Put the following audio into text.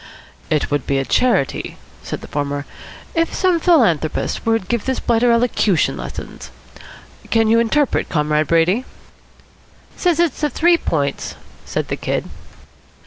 "It would be a charity," said the former, "if some philanthropist would give this blighter elocution lessons. Can you interpret, Comrade Brady?" "Says it's the Three Points," said the Kid.